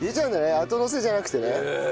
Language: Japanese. あとのせじゃなくてね。